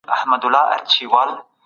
ښه ذهنیت آرامتیا نه ځنډوي.